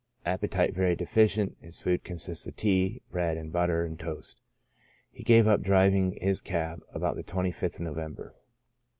Appetite very deficient, his food consists of tea, bread and butter, and toast. He gave up driving his cab about the 25th November.